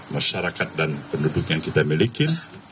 masyarakat dan penduduk yang kita miliki